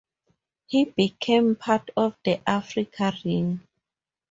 He became part of the 'Africa Ring'.